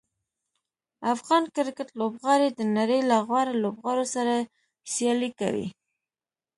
افغان کرکټ لوبغاړي د نړۍ له غوره لوبغاړو سره سیالي کوي.